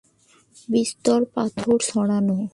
বিস্তর পাথর ছড়ানো।